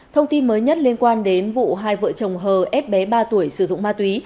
thông tin mới nhất liên quan đến vụ hai vợ chồng hờ ép bé ba tuổi sử dụng ma túy